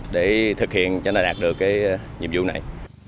để thực hiện cho nó đạt được cái nhiệm vụ này